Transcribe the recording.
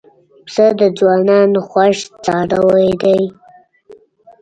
پسه د ځوانانو خوښ څاروی دی.